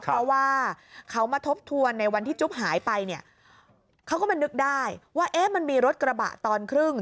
เพราะว่าเขามาทบทวนในวันที่จุ๊บหายไปเนี่ยเขาก็มานึกได้ว่าเอ๊ะมันมีรถกระบะตอนครึ่ง